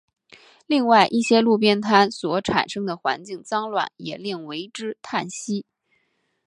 另外一些路边摊所产生的环境脏乱也令为之叹息。